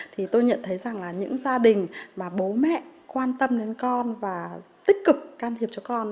thì tôi nhận thấy rằng là những gia đình mà bố mẹ quan tâm đến con và tích cực can thiệp cho con